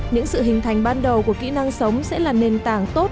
những sự hình thành ban đầu của kỹ năng sống sẽ là nền tảng tốt